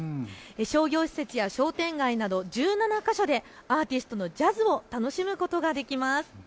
商業施設や商店街など１７か所でアーティストのジャズを楽しむことができます。